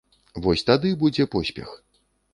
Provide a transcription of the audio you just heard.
Вось тады будзе поспех.